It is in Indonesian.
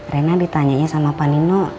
rena ditanya sama pak nino